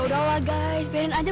dia di depan tempatnya